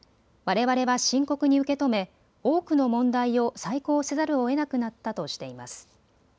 われわれは深刻に受け止め多くの問題を再考せざるをえなくなったとしています。